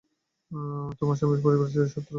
এবং তোমার স্বামীর পরিবারের চির শত্রু।